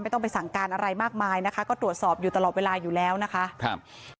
ต้องไปสั่งการอะไรมากมายนะคะก็ตรวจสอบอยู่ตลอดเวลาอยู่แล้วนะคะครับ